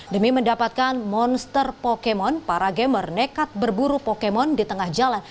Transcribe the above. demi mendapatkan monster pokemon para gamer nekat berburu pokemon di tengah jalan